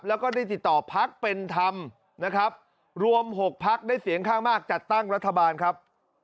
แล้วก็ได้ติดต่อพักเป็นธรรมนะครับรวม๖พักได้เสียงข้างมากจัดตั้งรัฐบาลครับ